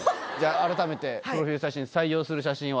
改めてプロフィール写真に採用する写真は？